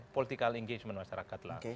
political engagement masyarakat lah